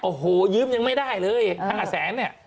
โอ้โหยืมยังไม่ได้เลยทั้ง๕แสนเนี่ย